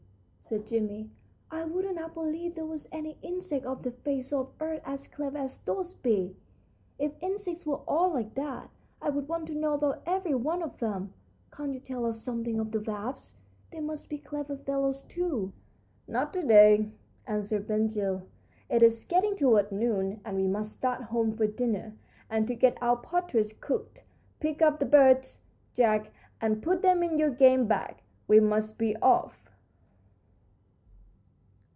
said Jimmie, "I wouldn't have believed there was any insect on the face of the earth as clever as those bees! If insects were all like that, I'd want to know about every one of them. Can't you tell us something of the wasp? They must be clever fellows, too." "Not to day," answered Ben Gile; "it is getting toward noon, and we must start home for dinner and to get our partridge cooked. Pick up the birds, Jack, and put them in your game bag. We must be off."